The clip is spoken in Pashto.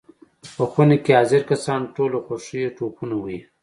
په خونه کې حاضر کسان ټول له خوښۍ ټوپونه وهي.